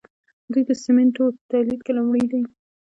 دوی د سیمنټو په تولید کې لومړی دي.